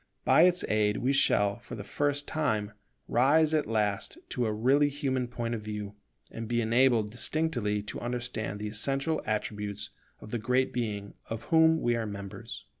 By its aid we shall for the first time rise at last to a really human point of view, and be enabled distinctly to understand the essential attributes of the Great Being of whom we are members.